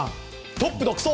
トップ独走！